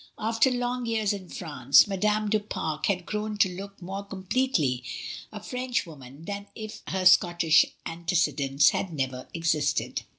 After long years in France, Madame du Pare had grown to look more com pletely a Frenchwoman than if her Scottish ante cedents had never existed.